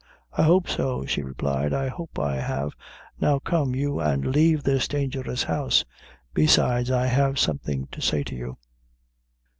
"I hope so," she replied, "I hope I have now come you and leave this dangerous house; besides I have something to say to you."